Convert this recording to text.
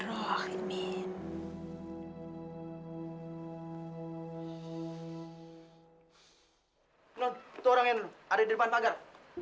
tuh orangnya lu ada di depan pagar